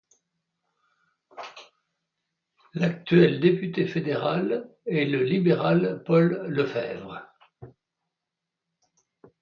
L'actuel député fédéral est le libéral Paul Lefebvre.